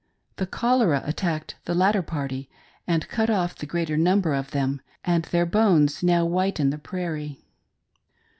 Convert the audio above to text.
The cholera attacked the latter party and cut off the greater num ber of them, and their bones now whiten the prairie.